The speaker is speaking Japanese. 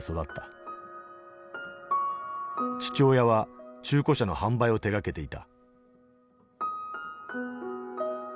父親は中古車の販売を手がけていた。